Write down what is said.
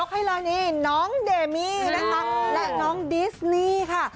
ให้เลยนี่น้องเดมี่นะคะและน้องดิสนี่ค่ะ